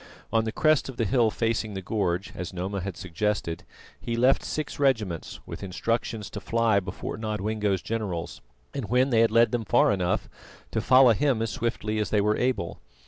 On the crest of the hill facing the gorge, as Noma had suggested, he left six regiments with instructions to fly before Nodwengo's generals, and when they had led them far enough, to follow him as swiftly as they were able.